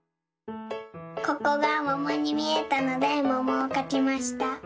ここがももにみえたのでももをかきました。